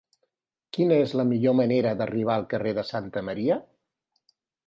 Quina és la millor manera d'arribar al carrer de Santa Maria?